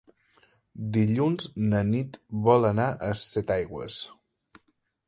Dilluns na Nit vol anar a Setaigües.